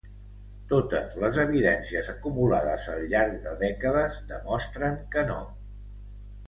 Totes les evidències acumulades al llarg de dècades demostren que no.